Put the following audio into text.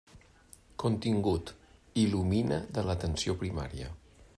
Contingut: Il·lumina de l'atenció primària.